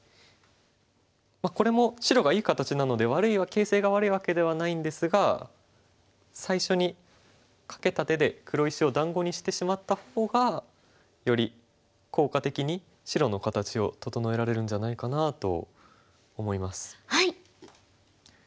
まあこれも白がいい形なので形勢が悪いわけではないんですが最初にカケた手で黒石を団子にしてしまった方がより効果的に白の形を整えられるんじゃないかなと思います。